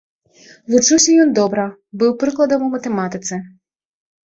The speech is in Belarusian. Вучыўся ён добра, быў прыкладам у матэматыцы.